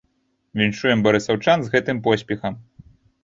Віншуем барысаўчан з гэтым поспехам!